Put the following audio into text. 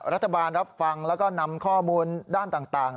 รัฐบาลรับฟังแล้วก็นำข้อมูลด้านต่าง